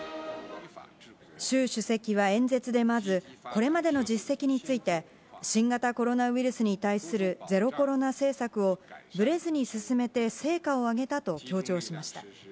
習主席は演説でまず、これまでの実績について、新型コロナウイルスに対するゼロコロナ政策をぶれずに進めて成果を上げたと強調しました。